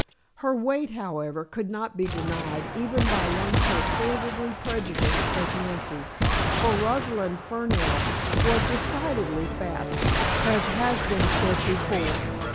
Her weight, however, could not be denied, even by one so favorably prejudiced as Nancy, for Rosalind Fernell was decidedly fat, as has been said before.